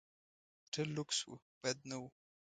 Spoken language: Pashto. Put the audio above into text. هوټل لکس و، بد نه و.